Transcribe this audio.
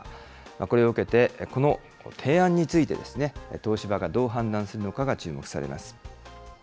これを受けて、この提案について、東芝がどう判断するのかが注目されます。